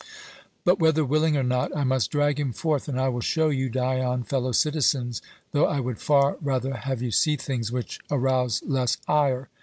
But whether willing or not, I must drag him forth, and I will show you Dion, fellow citizens, though I would far rather have you see things which arouse less ire.